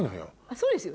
そうですよね。